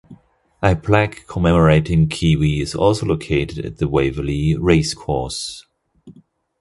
A plaque commemorating Kiwi is also located at the Waverley Racecourse.